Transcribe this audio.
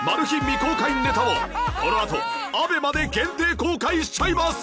未公開ネタをこのあと ＡＢＥＭＡ で限定公開しちゃいます！